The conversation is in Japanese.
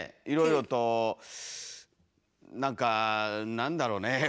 いろいろと何かなんだろね？